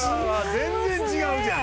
全然違うじゃん！